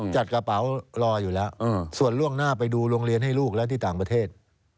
จัดกระเป๋ารออยู่แล้วส่วนล่วงหน้าไปดูโรงเรียนให้ลูกแล้วที่ต่างประเทศ